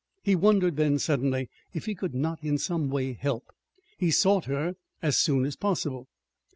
He wondered then, suddenly, if he could not in some way help. He sought her as soon as possible.